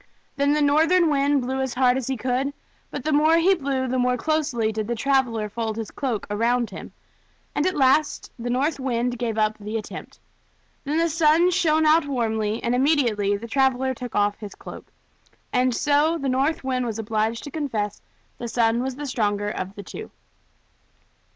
Then the North Wind blew as hard as he could, but the more he blew the more closely did the traveler fold his cloak around him; and at last the North Wind gave up the attempt. Then the Sun shined out warmly, and immediately the traveler took off his cloak. And so the North Wind was obliged to confess that the Sun was the stronger of the two.